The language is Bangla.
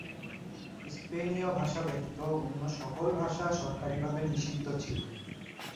স্পেনীয় ভাষা ব্যতীত অন্য সকল ভাষা সরকারিভাবে নিষিদ্ধ ছিল।